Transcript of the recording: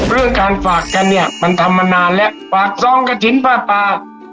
เรื่องการฝากกันเนี่ยมันทำมานานแล้วฝากซองกระถิ่นผ้าปาก